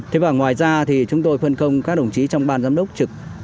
thế và ngoài ra thì chúng tôi phân công các đồng chí trong ban giám đốc trực